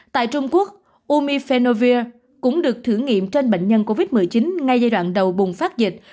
tại trung quốc umifelovir cũng được thử nghiệm trên bệnh nhân covid một mươi chín ngay giai đoạn đầu bùng phát dịch